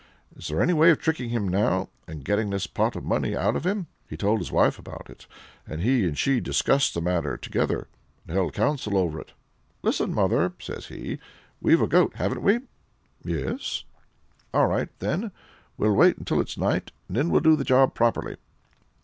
Is there any way of tricking him now, and getting this pot of money out of him?" He told his wife about it, and he and she discussed the matter together, and held counsel over it. "Listen, mother," says he; "we've a goat, haven't we?" "Yes." "All right, then; we'll wait until it's night, and then we'll do the job properly."